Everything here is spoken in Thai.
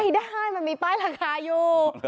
ไม่ได้มันมีป้ายหลังคาอยู่